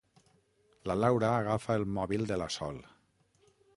La Laura agafa el mòbil de la Sol.